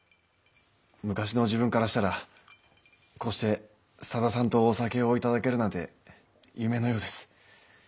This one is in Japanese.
昔の自分からしたらこうして佐田さんとお酒を頂けるなんて夢のようです。